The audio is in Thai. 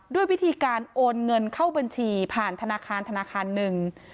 ด้วยวิธีการโอนเงินเข้าบัญชีผ่านธนาคารธนาคารหนึ่ง